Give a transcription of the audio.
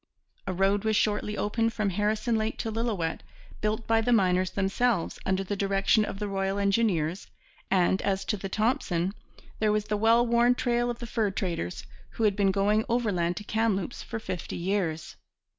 A road was shortly opened from Harrison Lake to Lillooet, built by the miners themselves, under the direction of the Royal Engineers; and, as to the Thompson, there was the well worn trail of the fur traders, who had been going overland to Kamloops for fifty years.